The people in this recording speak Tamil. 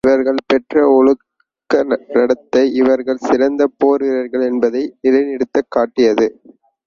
இவர்கள் பெற்ற ஒழுங்கு நடத்தை இவர்கள் சிறந்த போர் வீரர்கள் என்பதை நிலைநிறுத்திக் காட்டியது.